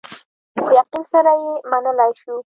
په یقین سره یې منلای شو.